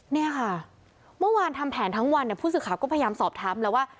เนี่ยค่ะเมื่อวานทำแผนทั้งวันเนี่ยผู้สื่อข่าวก็พยายามสอบถามแล้วว่า